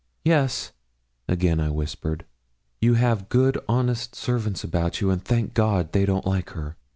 'Yes,' again I whispered. 'You have good, honest servants about you, and, thank God, they don't like her.